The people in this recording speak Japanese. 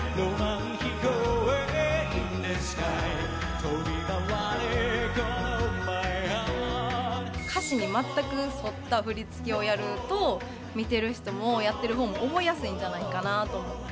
長谷歌原：歌詞に全く沿った振り付けをやると見ている人もやってるほうも覚えやすいんじゃないかなと思って。